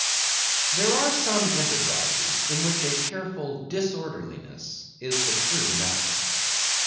There are some enterprises in which a careful disorderliness is the true method.